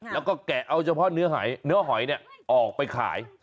แล้วก็แกะเอาเฉพาะเนื้อหอยออกไปขาย